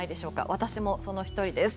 私もその１人です。